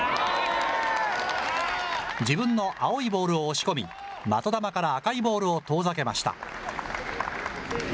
自分の青いボールを押し込み、的玉から赤いボールを遠ざけました。